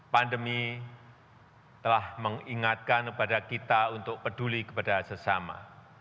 pandemi telah mengingatkan kepada kita untuk peduli kepada sesama